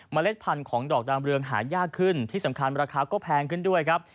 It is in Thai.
เล็ดพันธุ์ของดอกดามเรืองหายากขึ้นที่สำคัญราคาก็แพงขึ้นด้วยครับ